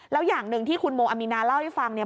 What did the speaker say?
แล้วอย่างหนึ่งที่คุณโมอามีนาเล่าให้ฟังเนี่ย